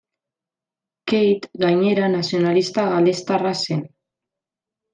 Kate, gainera, nazionalista galestarra zen.